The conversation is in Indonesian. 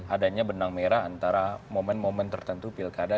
adanya benang merah antara momen momen tertentu pilkada